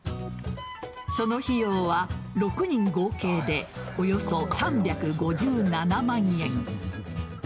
その費用は６人合計でおよそ３５７万円。